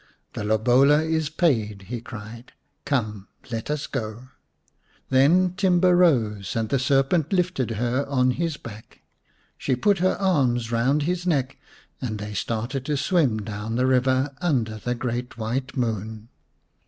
" The lobola is paid," he cried. " Come, let us go." Then Timba rose and the serpent lifted her on his back. She put her arms round his neck and they started to swim down the river under the great white moon.